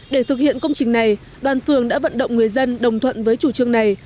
để thực hiện công trình này đoàn phường đã vận động người dân đồng thuận với chủ trương này